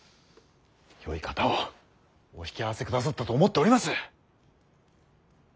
よい方をお引き合わせくださったと思っております。